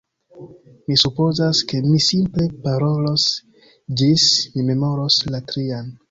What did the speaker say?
Mi supozas, ke mi simple parolos ĝis mi memoros la trian.